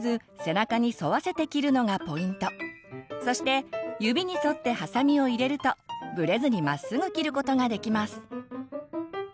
そして指に沿ってハサミを入れるとブレずにまっすぐ切ることができます。